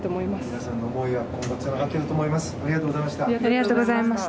皆さんの思いは今後つながっていくと思います。